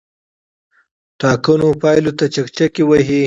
ټاکنو پایلو ته چکچکې وهي.